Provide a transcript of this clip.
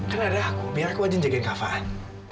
kan ada aku biar aku aja njagain kavaan